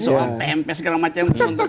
soal tmp dan segala macam